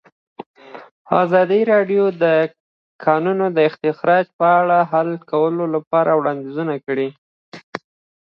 ازادي راډیو د د کانونو استخراج په اړه د حل کولو لپاره وړاندیزونه کړي.